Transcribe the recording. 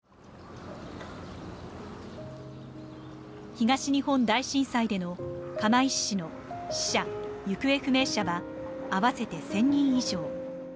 東日本大震災での釜石市の死者・行方不明者は合わせて１０００人以上。